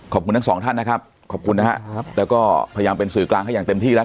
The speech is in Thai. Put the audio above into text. ขอบคุณทั้งสองท่านนะครับขอบคุณนะครับแล้วก็พยายามเป็นสื่อกลางให้อย่างเต็มที่แล้ว